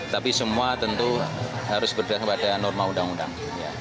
tapi semua tentu harus berdasarkan pada norma undang undang